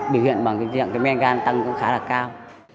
bằng dạng men gan tăng cũng khá là cao